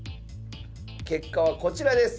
結果はこちらです。